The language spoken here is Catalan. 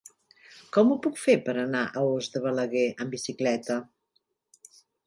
Com ho puc fer per anar a Os de Balaguer amb bicicleta?